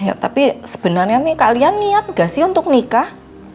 ya tapi sebenarnya nih kalian niat gak sih untuk nikah